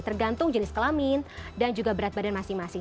tergantung jenis kelamin dan juga berat badan masing masing